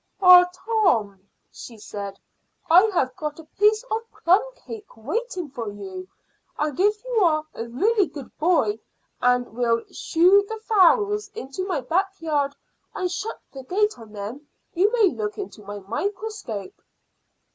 "Ah, Tom!" she said, "I have got a piece of plumcake waiting for you; and if you are a really good boy, and will shoo the fowls into my backyard and shut the gate on them, you may look into my microscope."